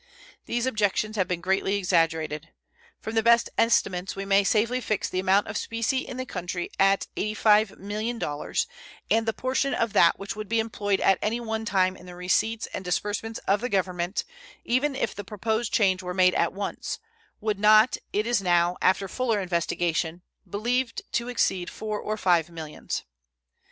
These objections have been greatly exaggerated. From the best estimates we may safely fix the amount of specie in the country at $85,000,000, and the portion of that which would be employed at any one time in the receipts and disbursements of the Government, even if the proposed change were made at once, would not, it is now, after fuller investigation, believed exceed four or five millions.